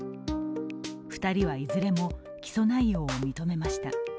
２人はいずれも起訴内容を認めました。